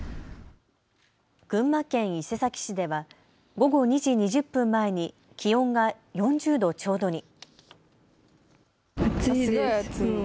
群馬県伊勢崎市では午後２時２０分前に気温が４０度ちょうどに。